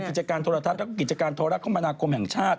กิจการโทรทัศน์และกิจการโทรลักษณ์คมพนาคมแห่งชาติ